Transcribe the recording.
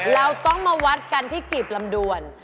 เราต้องมาวัดกันที่กีบลำดวน